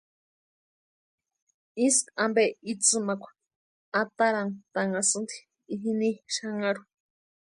Ísku ampe itsïmakwa atarantʼanhasïnti jini xanharhu.